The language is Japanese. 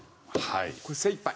これ精いっぱい！